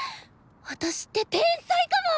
私って天才かも！